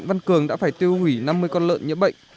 họ phải tiêu hủy năm mươi con lợn nhiễm bệnh